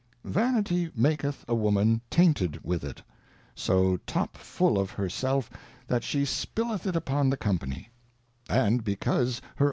yVanity maketh a Woman tainted with it, so top full of her self, that she spilleth it upon the Company, And because her own VA NI lY, &^c.